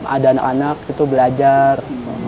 ada anak anak itu belajar